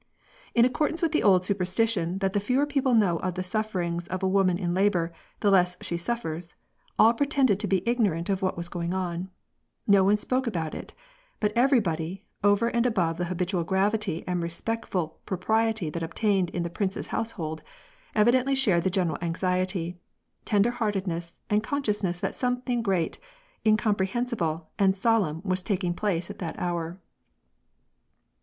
In accordance with the old superstition that the fewer people know of the sufferings of a woman in labor, the less she suffers, all pretended to be ignorant of what was going on ; no one spoke about it, but everybody, over and above the habitual gravity and respectful propriety that obtained in the prince's household, evidently shared the genei al anxiety, tender heartedness and consciousness that something great, incomprehensible and solemn was taking j)lace at that hour.